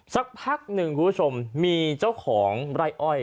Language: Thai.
สักพักหนึ่งคุณผู้ชมมีเจ้าของไร่อ้อย